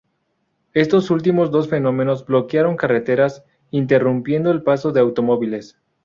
Estos últimos dos fenómenos bloquearon carreteras, interrumpiendo el paso de automóviles.